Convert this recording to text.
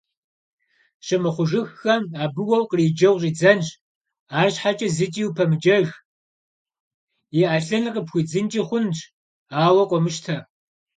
Щымыхъужыххэм абы уэ укъриджэу щӀидзэнщ, арщхьэкӀэ зыкӀи упэмыджэж, и Ӏэлъыныр къыпхуидзынкӀи хъунщ, ауэ къомыщтэ.